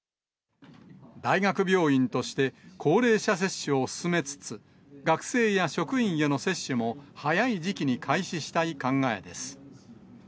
大学病院として、高齢者接種を進めつつ、学生や職員への接種も、早い時期に開始したい考えです。